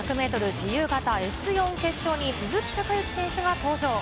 自由形Ｓ４決勝に鈴木孝幸選手が登場。